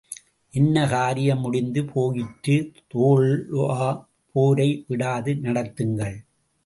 என் காரியம் முடிந்து போயிற்று தோழா போரை விடாது நடத்துங்கள்!